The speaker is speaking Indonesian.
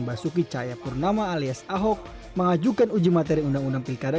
basuki cahayapurnama alias ahok mengajukan uji materi undang undang pilkada